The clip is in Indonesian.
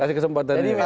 kasih kesempatan di sumut